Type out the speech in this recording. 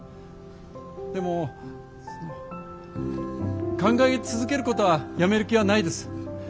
でも考え続けることはやめる気はないです。